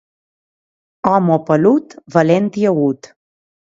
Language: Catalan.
Home pelut, valent i agut.